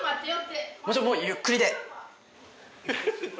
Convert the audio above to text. もちろんもうゆっくりで。